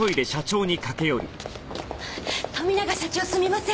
富永社長すみません。